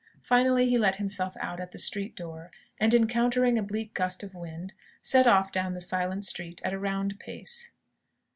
Finally, he let himself out at the street door, and encountering a bleak gust of wind, set off down the silent street at a round pace.